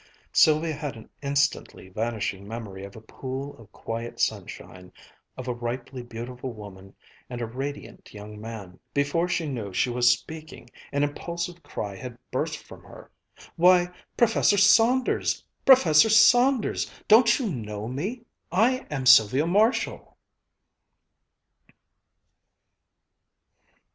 Sylvia had an instantly vanishing memory of a pool of quiet sunshine, of a ripely beautiful woman and a radiant young man. Before she knew she was speaking, an impulsive cry had burst from her: "Why, Professor Saunders! Professor Saunders! Don't you know me? I am Sylvia Marshall!"